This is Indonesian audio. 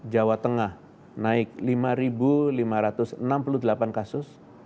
jawa tengah naik lima lima ratus enam puluh delapan kasus